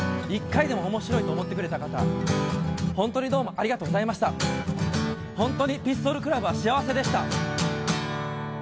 「１回でも面白いと思ってくれた方」「ホントにどうもありがとうございました」「ホントにピストルクラブは幸せでした」